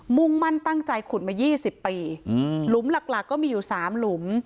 มุ่งมั่นตั้งใจขุดมา๒๐ปีหลุมหลักหลักก็มีอยู่๓หลุม